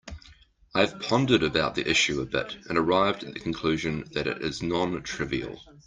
I have pondered about the issue a bit and arrived at the conclusion that it is non-trivial.